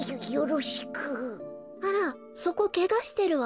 あらそこけがしてるわ。